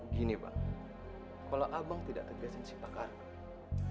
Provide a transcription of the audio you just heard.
gini bang kalo abang tidak tegasin si pak ardun